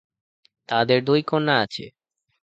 তাদের দুই কন্যা আছে।